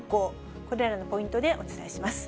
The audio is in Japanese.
これらのポイントでお伝えします。